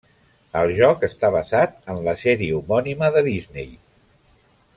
El joc està basat en la sèrie homònima de Disney.